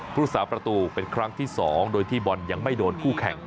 ผู้สาประตูเป็นครั้งที่๒โดยที่บอลยังไม่โดนคู่แข่ง